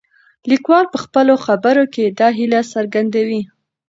لیکوال په خپلو خبرو کې دا هیله څرګندوي.